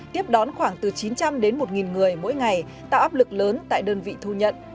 tiếp đón khoảng từ chín trăm linh đến một người mỗi ngày tạo áp lực lớn tại đơn vị thu nhận